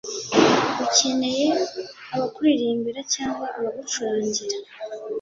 ukeneye abakuririmbira cyangwa abagucurangira